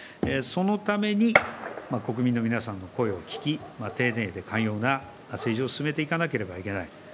そのために国民の皆さんの声を聞き、丁寧で寛容な政治を進めていかなければいけない。